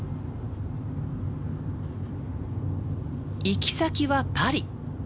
行き先はパリ。